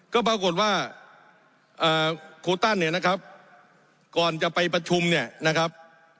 ก็ปรากฏว่าครูตันเนี่ยนะครับก่อนจะไปประชุมเนี่ยนะครับ